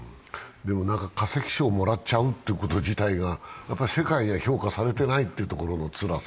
化石賞もらっちゃうということ自体が世界では評価されてないというところのつらさ。